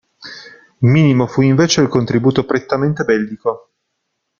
Minimo fu invece il contributo prettamente bellico.